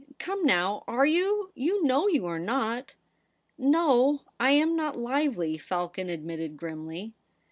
Come now, are you ? You know you are not.' ' No ; I am not lively,' Falcon admitted grimly.